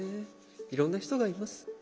いろんな人がいます。